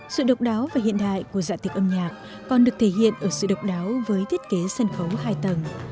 sự độc đáo và hiện đại của dạng tiệc âm nhạc còn được thể hiện ở sự độc đáo với thiết kế sân khấu hai tầng